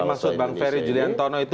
tapi yang dimaksud bang ferry juliantono itu